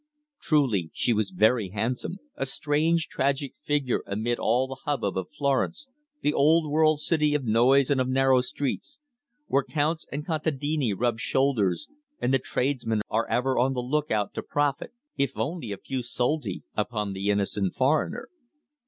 Truly, she was very handsome, a strange tragic figure amid all the hubbub of Florence, the old world city of noise and of narrow streets, where Counts and contadini rub shoulders, and the tradesmen are ever on the look out to profit if only a few soldi upon the innocent foreigner.